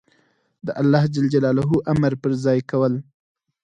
د الله امر په ځای کول